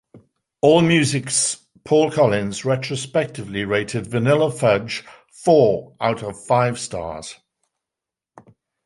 Allmusic's Paul Collins retrospectively rated "Vanilla Fudge" four out of five stars.